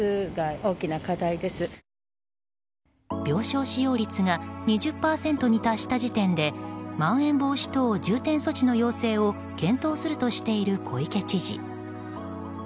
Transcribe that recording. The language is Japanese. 病床使用率が２０％に達した時点でまん延防止等重点措置の要請を検討するとしている小池知事。